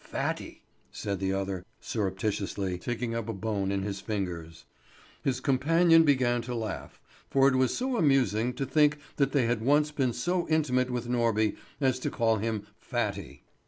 "Fatty," said the other, surreptitiously taking up a bone in his fingers. His companion began to laugh; for it was so amusing to think that they had once been so intimate with Norby as to call him Fatty.